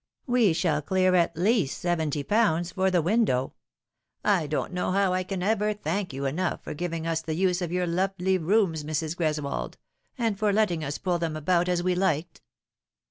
We shall clear at least seventy pounds for the window. I don't know how I can ever thank you enough for giving us the use of your lovely rooms, Mrs. Greswold, and for letting us pull them about as we liked."